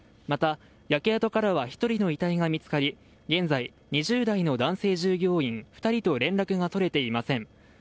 また、焼け跡からは１人の遺体が見つかり現在２０代の男性従業員２人と連絡が取れていません。